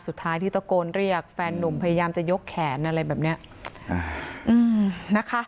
สุดท้ายที่ตะโกนเรียกแฟนนุ่มพยายามจะยกแขนอะไรแบบเนี้ยอืมนะคะ